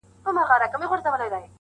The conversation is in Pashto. هلته خلک ځکه تعلیم نه کوي